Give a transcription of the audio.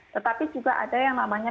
tetapi juga ada yang namanya